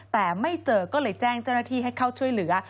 แต่ไม่เจอก็เลยแจ้งเจ้าหน้าที่ให้เข้าช่วยเหลือ